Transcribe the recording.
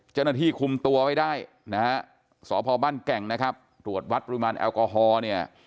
เจ้าหน้าที่คุมตัวไว้ได้นะฮะสพบ้านแก่งนะครับตรวจวัดปริมาณแอลกอฮอล์เนี่ย